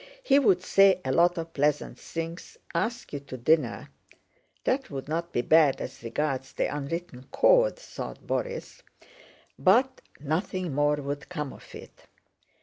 He would say a lot of pleasant things, ask you to dinner" ("That would not be bad as regards the unwritten code," thought Borís), "but nothing more would come of it.